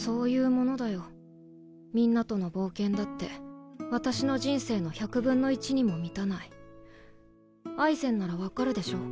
みんなとの冒険だって私の人生の１００分の１にも満たないアイゼンなら分かるでしょ？